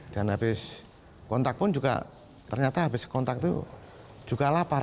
dan habis kontak pun juga ternyata habis kontak itu juga lapar